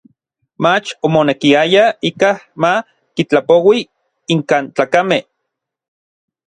Mach omonekiaya ikaj ma kitlapoui inkan tlakamej.